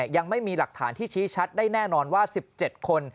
ยังไม่มีหลักฐานที่ชี้ชัดได้แน่นอนว่า๑๗คน